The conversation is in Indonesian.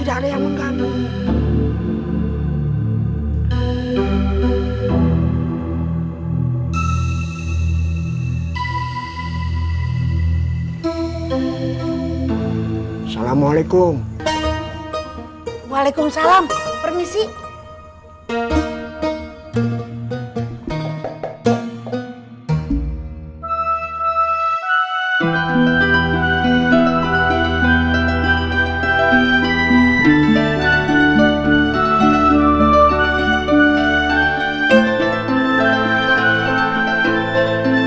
dan di negeri orang lainnya